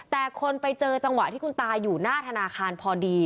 แต่คนไปเจอจังหวะที่คุณตาอยู่หน้าธนาคารพอดี